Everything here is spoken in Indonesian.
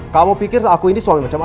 kamu pikir aku ini suami macam apa